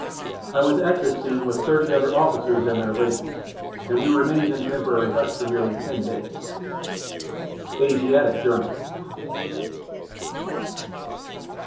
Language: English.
I was at this scene with thirty other officers and their ladies, and we remained in temporary huts for nearly ten days. _Asiatic Journal.